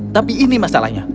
tapi ini masalahnya